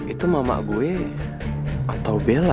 itu mama gue atau bella